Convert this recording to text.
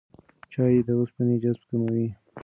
چای د اوسپنې جذب کموي.